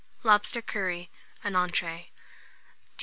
LOBSTER CURRY (an Entree). 274.